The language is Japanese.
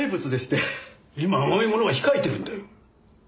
今甘いものは控えてるんだよ。